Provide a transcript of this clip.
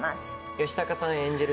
吉高さん演じる